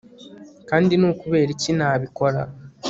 kandi ni ukubera iki nabikora